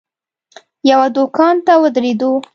یوه دوکان ته ودرېدو.